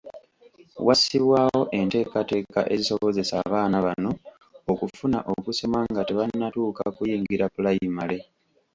Wassibwawo enteekateeka ezisobozesa abaana bano okufuna okusoma nga tebannatuuka kuyingira pulayimale.